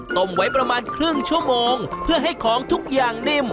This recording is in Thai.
ต้มไว้ประมาณครึ่งชั่วโมงเพื่อให้ของทุกอย่างนิ่ม